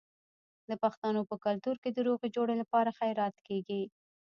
د پښتنو په کلتور کې د روغې جوړې لپاره خیرات کیږي.